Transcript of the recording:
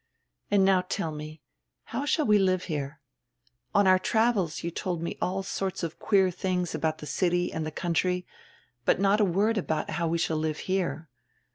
And now tell me, how shall we live here? On our travels you told me all sorts of queer tilings about the city and the country, but not a word about how we shall live here.